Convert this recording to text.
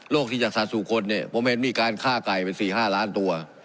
โรคที่จะสาสู่คนเนี้ยผมเห็นมีการฆ่าไก่เป็นสี่ห้าล้านตัว